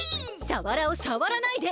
サワラをさわらないで！